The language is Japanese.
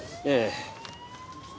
ええ。